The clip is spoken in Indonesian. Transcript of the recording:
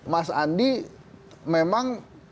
mas andi memang